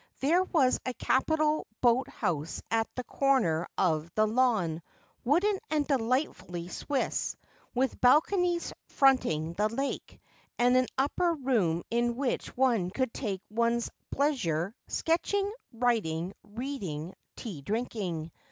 There was a capital boat house at a corner of the lawn, wooden and delightfully Swiss, with balconies fronting the lake, and an upper room in which one could take one s plea sure, sketching, writmg, reading, tea drinking.